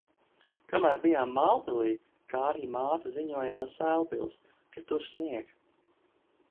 Kamēr bijām Mālpilī, Kārļa māte ziņoja no Sēlpils, ka tur snieg.